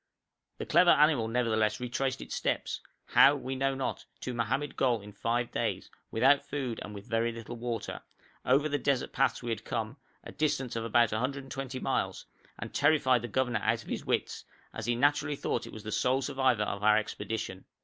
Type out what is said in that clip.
The clever animal nevertheless retraced its steps, how we know not, to Mohammed Gol in five days, without food and with very little water, over the desert paths we had come a distance of about 120 miles and terrified the governor out of his wits, as he naturally thought it was the sole survivor of our expedition.